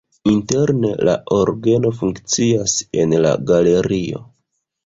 Interne la orgeno funkcias en la galerio.